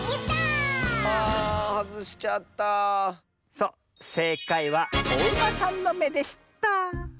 そうせいかいはおウマさんのめでした。